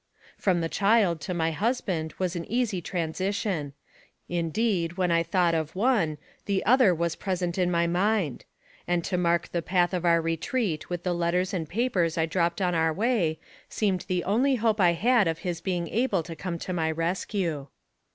From the child to my husband was an easy transi tion ; indeed, when I thought of one, the other was present in my mind; and to mark the path of our retreat with the letters and papers I dropped on our way, seemed the only hope I had of his being able to come to my rescue.